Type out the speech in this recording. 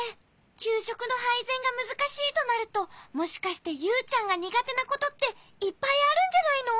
きゅうしょくのはいぜんがむずかしいとなるともしかしてユウちゃんがにがてなことっていっぱいあるんじゃないの？